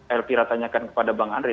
elvira tanyakan kepada bang andre